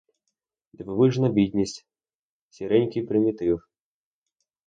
Дивовижна бідність, сіренький примітив.